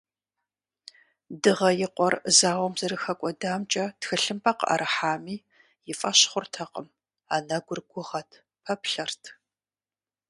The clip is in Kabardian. Дыгъэ и къуэр зауэм зэрыхэкӏуэдамкӏэ тхылъымпӏэ къыӏэрыхьами, и фӏэщ хъуртэкъым, анэгур гугъэт, пэплъэрт.